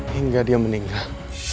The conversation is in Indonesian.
hingga dia meninggal